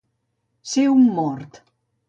Ser un mort.